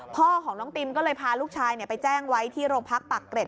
พ่อของน้องติมก็เลยพาลูกชายไปแจ้งไว้ที่โรงพักปากเกร็ด